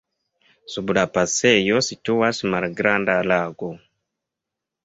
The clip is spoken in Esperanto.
Sub la pasejo situas malgranda lago.